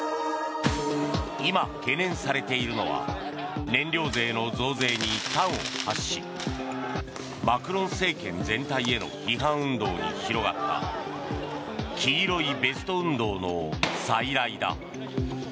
今、懸念されているのは燃料税の増税に端を発しマクロン政権全体への批判運動に広がった黄色いベスト運動の再来だ。